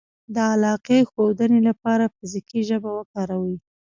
-د علاقې ښودنې لپاره فزیکي ژبه وکاروئ